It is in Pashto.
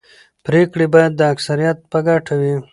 پرېکړې باید د اکثریت په ګټه وي